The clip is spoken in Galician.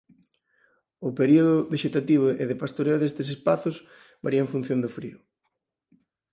O período vexetativo e de pastoreo destes espazos varía en función do frío.